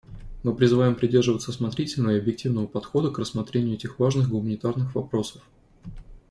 Мы призываем придерживаться осмотрительного и объективного подхода к рассмотрению этих важных гуманитарных вопросов.